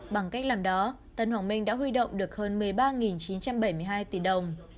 bằng cách làm đó tân hoàng minh đã huy động được hơn một mươi ba chín trăm bảy mươi hai tỷ đồng